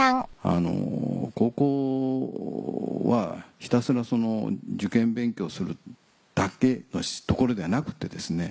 高校はひたすら受験勉強をするだけの所ではなくってですね